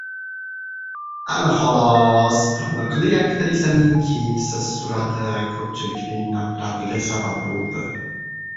Ana xolos! Taniqli aktrisaning kiyimsiz surati ko‘pchilikning nafratiga sabab bo‘ldi